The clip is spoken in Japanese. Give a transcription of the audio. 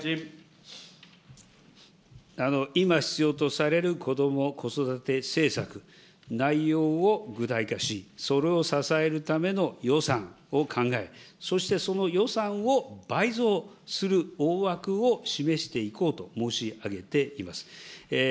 今必要とされるこども・子育て政策、内容を具体化し、それを支えるための予算を考え、そしてその予算を倍増する大枠を示していこうと申し上げています。